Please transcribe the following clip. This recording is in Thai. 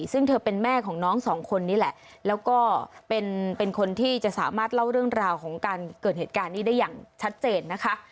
ซึ่งเธอเป็นแม่ของน้องสองคนนี้แหละแล้วก็เป็นคนที่จะสามารถเล่าเรื่องราวของการเกิดเหตุการณ์นี้ได้อย่างชัดเจนนะคะ